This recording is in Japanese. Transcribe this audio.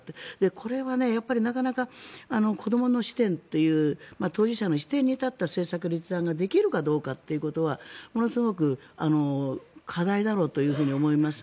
これはなかなか子どもの視点という当事者の視点に立って政策立案ができるかどうかというところはものすごく課題だろうと思います。